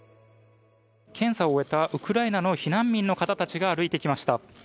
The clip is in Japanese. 検査を終えたウクライナの避難民の方たちが歩いてきました。